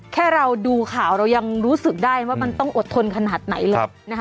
แค่เราดูข่าวเรายังรู้สึกได้ว่ามันต้องอดทนขนาดไหนเลยนะคะ